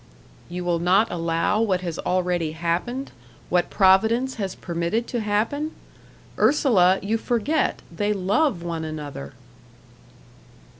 "You will not allow what has already happened what Providence has permitted to happen? Ursula, you forget they love one another."